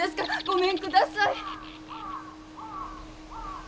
ごめんください。